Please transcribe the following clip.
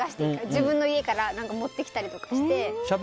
自分の家から持ってきたりして。